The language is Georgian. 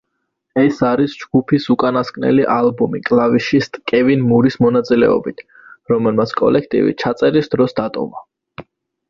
ეს არის ჯგუფის უკანასკნელი ალბომი კლავიშისტ კევინ მურის მონაწილეობით, რომელმაც კოლექტივი ჩაწერის დროს დატოვა.